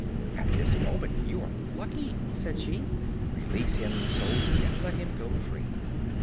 "At this moment you are lucky," said she. "Release him, Soldier, and let him go free."